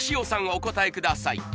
お答えください